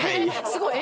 すごい。